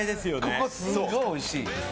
ここ、すごいおいしい。